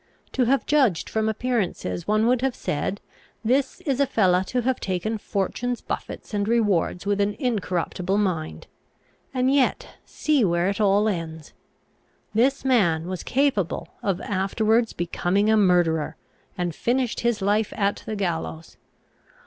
To have judged from appearances one would have said, this is a fellow to have taken fortune's buffets and rewards with an incorruptible mind. And yet see where it all ends! This man was capable of afterwards becoming a murderer, and finished his life at the gallows.